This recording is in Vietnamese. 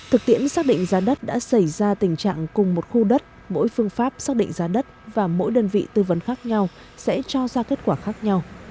thực tiễn xác định giá đất đã xảy ra tình trạng cùng một khu đất mỗi phương pháp xác định giá đất và mỗi đơn vị tư vấn khác nhau sẽ cho ra kết quả khác nhau